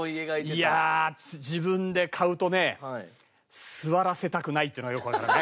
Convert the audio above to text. いやあ自分で買うとね座らせたくないっていうのがよくわかるね。